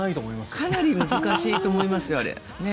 あれかなり難しいと思いますよ。